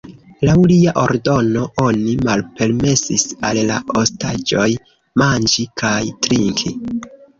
Laŭ lia ordono oni malpermesis al la ostaĝoj manĝi kaj trinki.